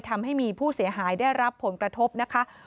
ทำให้มีผู้เสียหายได้รับผลกระทบนะคะ